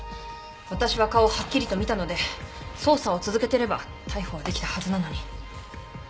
私は顔をはっきりと見たので捜査を続けてれば逮捕はできたはずなのに。